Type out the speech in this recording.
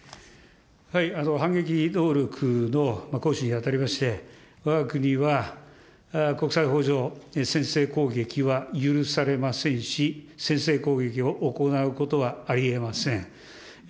反撃能力の行使にあたりまして、わが国は国際法上、先制攻撃は許されませんし、先制攻撃を行うことはありえません。